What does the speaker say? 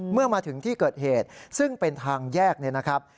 เมื่อมาถึงที่เกิดเหตุซึ่งเป็นทางแยกเนี่ยนะครับ